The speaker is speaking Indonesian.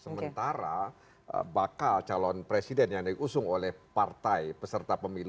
sementara bakal calon presiden yang diusung oleh partai peserta pemilu